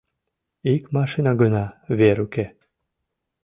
— Ик машина гына, вер уке...